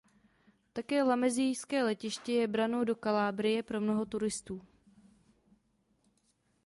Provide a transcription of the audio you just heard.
Také lamezijské letiště je branou do Kalábrie pro mnoho turistů.